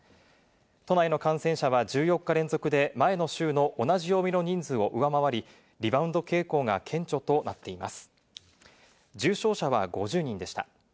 都内の感染者は１４日連続で、前の週の同じ曜日の人数を上回り、リバウンド傾向が顕著となっています。